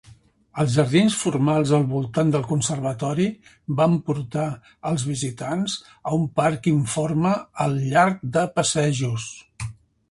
Els jardins formals al voltant del conservatori van portar als visitants a un parc informa al llarg de passejos.